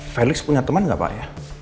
felix punya teman gak pak ya